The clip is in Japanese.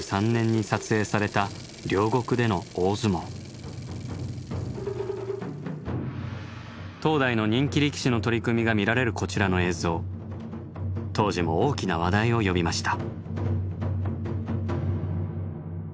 続いてはこちらは当代の人気力士の取組が見られるこちらの映像当時も大きな話題を呼びました。